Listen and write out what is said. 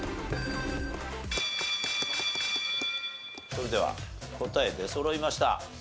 それでは答え出そろいました。